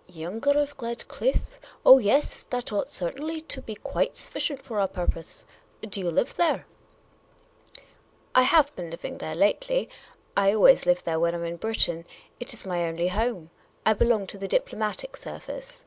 " Younger of Gledcliffe ! Oh, yes, that ought certainly to be quite sufficient for our purpose. Do 3'ou live there ?"" I have been living there lately. I always live there when I 'm in Britain. It is my only home. I belong to the diplomatic service."